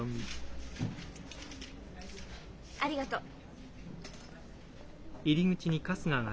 ありがとう。